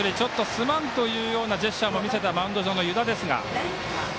「すまん」というようなジェスチャーも見せたマウンド上の湯田。